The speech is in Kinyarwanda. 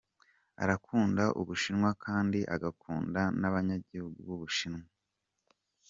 "Arakunda Ubushinwa kandi agakunda n'abanyagihugu b'Ubushinwa.